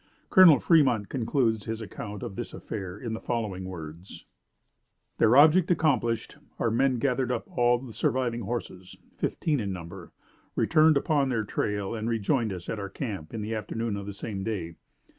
Col. Fremont concludes his account of this affair in the following words: "Their object accomplished, our men gathered up all the surviving horses, fifteen in number, returned upon their trail, and rejoined us at our camp in the afternoon of the same day.